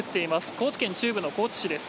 高知県中部の高知市です。